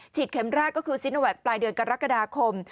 ฉีดเข็มแรกก็คือศิลป์ปลายเดือนกรกฎาคม